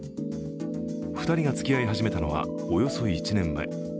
２人が付き合い始めたのはおよそ１年前。